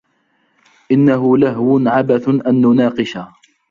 انه لهو عبث ان نناقش.